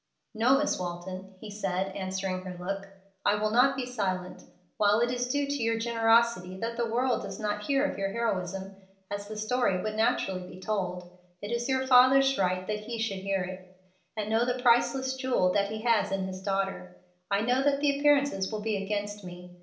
"No, Miss Walton," he said, answering her look, "I will not be silent. While it is due to your generosity that the world does not hear of your heroism as the story would naturally be told, it is your father's right that he should hear it, and know the priceless jewel that he has in his daughter. I know that appearances will be against me.